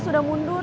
teis udah mundur